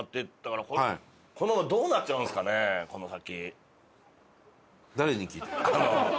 この先。